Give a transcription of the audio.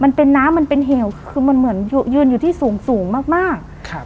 มันเป็นน้ำมันเป็นเหวคือมันเหมือนยืนอยู่ที่สูงสูงมากมากครับ